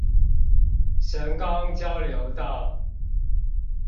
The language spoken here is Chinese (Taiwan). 神岡交流道